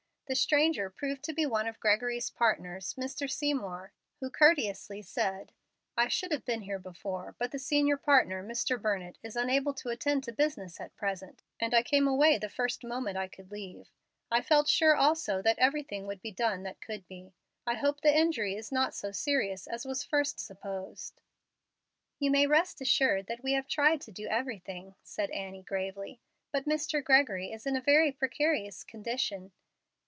The stranger proved to be one of Gregory's partners, Mr. Seymour, who courteously said, "I should have been here before, but the senior partner, Mr. Burnett, is unable to attend to business at present, and I came away the first moment I could leave. I felt sure also that everything would be done that could be. I hope the injury is not so serious as was first supposed." "You may rest assured that we have tried to do everything," said Annie, gravely, "but Mr. Gregory is in a very precarious condition.